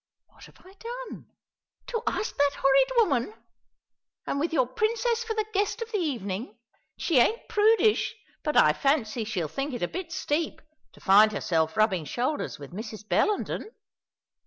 "What have I done?" "To ask that horrid woman, and with your Princess for the guest of the evening! She ain't prudish; but I fancy she'll think it a bit steep to find herself rubbing shoulders with Mrs. Bellenden."